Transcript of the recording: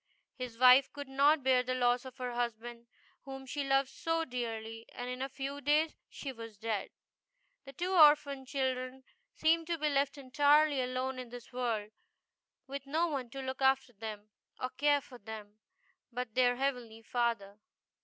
His wife could not bear the loss of her husband, whom she loved so dearly, and in a few days she was dead. The two orphan children seemed to be left entirely alone in the world, with no one to look after them, or care for them, but their Heavenly Father.